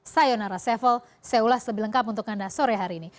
sayonara sevel saya ulas lebih lengkap untuk anda sore hari ini